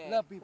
gak boleh ya